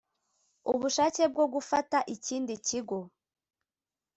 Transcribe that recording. ubushake bwo gufata ikindi kigo